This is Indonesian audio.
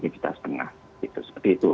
tiga juta setengah gitu seperti itu